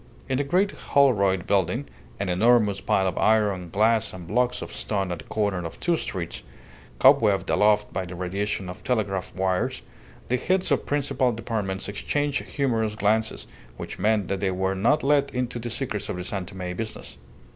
In the great Holroyd building (an enormous pile of iron, glass, and blocks of stone at the corner of two streets, cobwebbed aloft by the radiation of telegraph wires) the heads of principal departments exchanged humorous glances, which meant that they were not let into the secrets of the San Tome business.